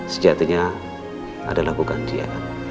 sejatinya adalah bukan dia